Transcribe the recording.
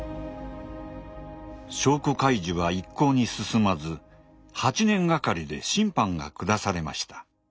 証拠開示は一向に進まず８年がかりで審判が下されました。